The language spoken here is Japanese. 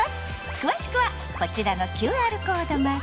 詳しくはこちらのＱＲコードまで！